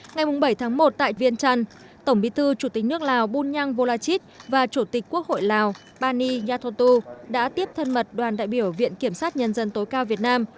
ngày bảy tháng một tại viên trăn tổng bí thư chủ tịch nước lào bunyang volachit và chủ tịch quốc hội lào pani yathotu đã tiếp thân mật đoàn đại biểu viện kiểm sát nhân dân tối cao việt nam